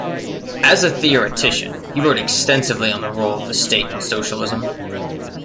As a theoretician, he wrote extensively on the role of the state in socialism.